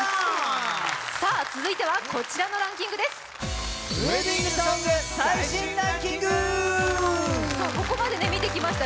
続いてはこちらのランキングです。